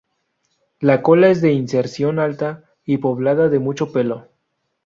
La cola es de inserción alta y poblada de mucho pelo.